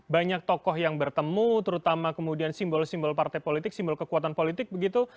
banyak tokoh yang bertemu terutama kemudian simbol simbol partai politik simbol kekuatan politik begitu